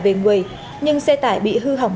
về người nhưng xe tải bị hư hỏng